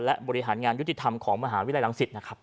และบริหารงานยุติธรรมของมหาวิทยาลังศิษย์นะครับ